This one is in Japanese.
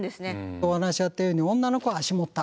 お話あったように女の子は脚持った。